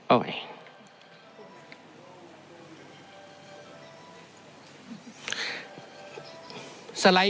โอ้ย